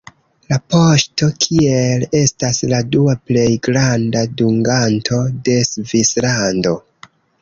La poŝto tiel estas la dua plej granda dunganto de Svislando.